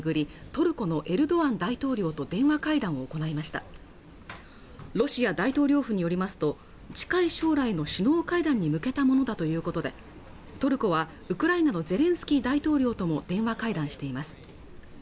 トルコのエルドアン大統領と電話会談を行いましたロシア大統領府によりますと近い将来の首脳会談に向けたものだということでトルコはウクライナのゼレンスキー大統領とも電話会談しています